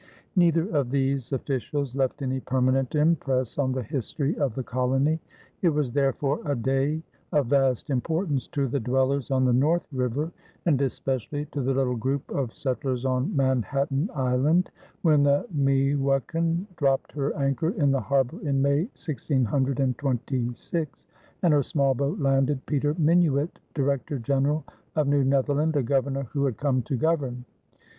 Neither of these officials left any permanent impress on the history of the colony. It was therefore a day of vast importance to the dwellers on the North River, and especially to the little group of settlers on Manhattan Island, when the Meeuwken dropped her anchor in the harbor in May, 1626, and her small boat landed Peter Minuit, Director General of New Netherland, a Governor who had come to govern.